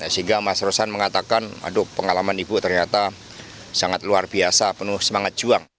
sehingga mas rosan mengatakan aduh pengalaman ibu ternyata sangat luar biasa penuh semangat juang